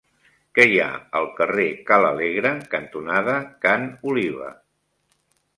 Què hi ha al carrer Ca l'Alegre cantonada Ca n'Oliva?